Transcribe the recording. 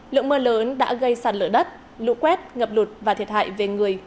lượng mưa lớn đã gây sạt lở đất lũ quét ngập lụt và thiệt hại về người